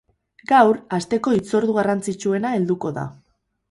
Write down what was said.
Gaur, asteko hitzordu garrantzitsuena helduko da.